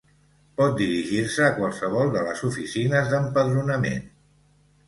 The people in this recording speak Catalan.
Pot dirigir-se a qualsevol de les oficines d'empadronament.